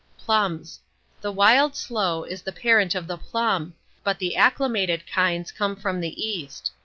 PLUMS. The wild sloe is the parent of the plum, but the acclimated kinds come from the East.